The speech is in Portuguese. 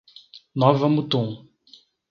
Nova Mutum